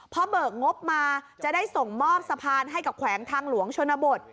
พอเบิกงบมาจะได้ส่งมอบสะพานให้กับแขวงทางหลวงชนบท